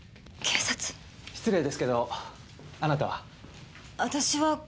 失礼ですけどあなたは？